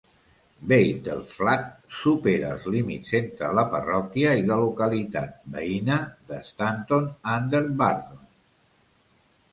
Battleflat supera els límits entre la parròquia i la localitat veïna de Stanton under Bardon.